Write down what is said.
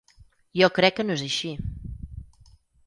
Jo crec que no és així.